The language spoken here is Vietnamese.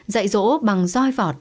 dạy dỗ bằng doi vọt